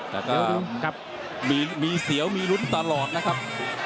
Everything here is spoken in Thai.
แต่ก็มีเสียวมีลุ้นตลอดนะครับ